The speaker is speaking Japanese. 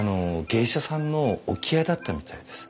芸者さんの置き屋だったみたいです。